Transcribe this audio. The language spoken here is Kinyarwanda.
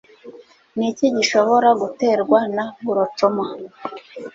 Ni iki gishobora guterwa na Glaucoma?